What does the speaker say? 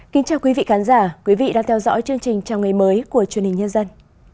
kính chào quý vị khán giả quý vị đang theo dõi chương trình chào ngày mới của truyền hình nhân dân